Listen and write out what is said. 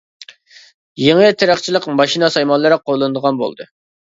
يېڭى تېرىقچىلىق ماشىنا سايمانلىرى قوللىنىدىغان بولدى.